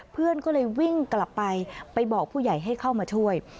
เพื่อนก็เลยวิ่งกลับไปไปบอกผู้ใหญ่ให้เข้ามาช่วย